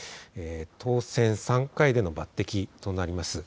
当選３回での抜てきとなります。